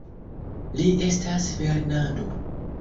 Li estas Fernando!